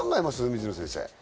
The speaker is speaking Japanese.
水野先生。